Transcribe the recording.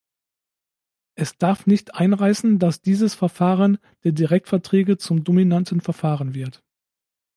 Es darf nicht einreißen, dass dieses Verfahren der Direktverträge zum dominanten Verfahren wird.